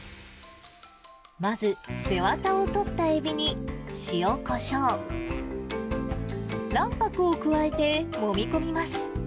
まず、背わたを取ったエビに、塩こしょう、卵白を加えてもみ込みます。